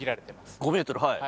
５ｍはい。